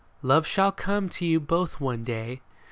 Love shall come to you both one day.